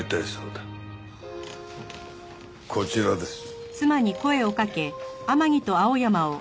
こちらです。